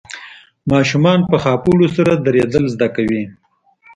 ماشومان په خاپوړو سره ودرېدل زده کوي.